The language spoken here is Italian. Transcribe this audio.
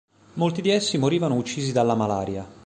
Molti di essi morivano uccisi dalla malaria.